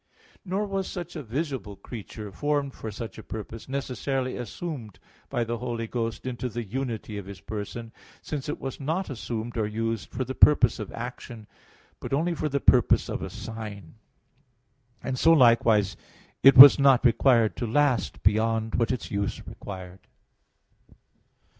Nor was such a visible creature, formed for such a purpose, necessarily assumed by the Holy Ghost into the unity of His person, since it was not assumed or used for the purpose of action, but only for the purpose of a sign; and so likewise it was not required to last beyond what its use required.